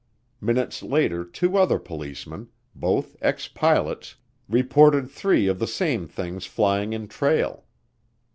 Minutes later two other policemen, both ex pilots, reported three of the same things flying in trail.